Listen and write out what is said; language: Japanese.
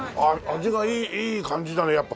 味がいい感じだねやっぱ。